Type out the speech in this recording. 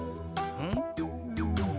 うん。